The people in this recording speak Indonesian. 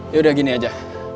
yaudah gini aja